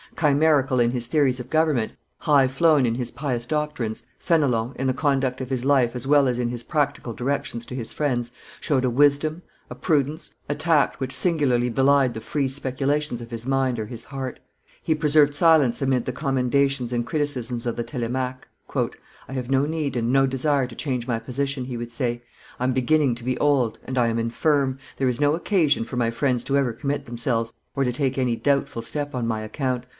Chimerical in his theories of government, high flown in his pious doctrines, Fenelon, in the conduct of his life as well as in his practical directions to his friends, showed a wisdom, a prudence, a tact which singularly belied the free speculations of his mind or his heart. He preserved silence amid the commendations and criticisms of the Telemaque. "I have no need and no desire to change my position," he would say; "I am beginning to be old, and I am infirm; there is no occasion for my friends to ever commit themselves or to take any doubtful step on my account.